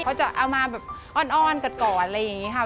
เค้าจะเอามาอ้อนกะกรอะไรอย่างนี้